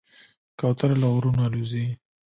کوتره له غرونو الوزي.